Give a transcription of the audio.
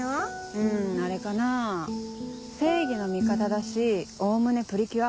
うんあれかな正義の味方だしおおむねプリキュア。